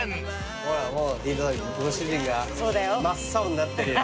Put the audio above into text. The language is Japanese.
ほらもう井戸田君ご主人が真っ青になってるよ。